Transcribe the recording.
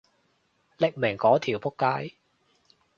匿名嗰條僕街